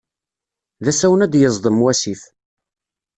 D asawen ad yeẓḍem wasif.